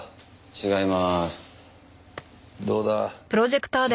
違いますね。